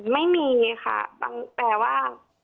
ไม่มีค่ะแปลว่า